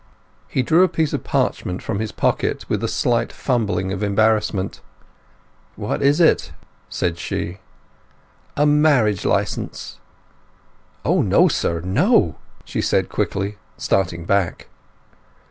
He drew a piece of parchment from his pocket, with a slight fumbling of embarrassment. "What is it?" said she. "A marriage licence." "O no, sir—no!" she said quickly, starting back.